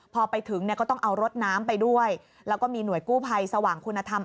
พอไปถึงเนี่ยก็ต้องเอารถน้ำไปด้วยแล้วก็มีหน่วยกู้ภัยสว่างคุณธรรม